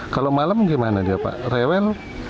kalau malam gimana dia pak rewel